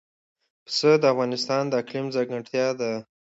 پسه د افغانستان د اقلیم ځانګړتیا ده.